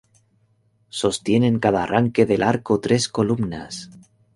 Sostienen cada arranque del arco tres columnas.